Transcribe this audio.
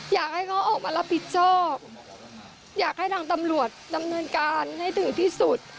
อยากให้เขาออกมารับผิดชอบอยากให้ทางตำรวจดำเนินการให้ถึงที่สุด